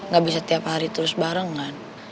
gak bisa tiap hari terus barengan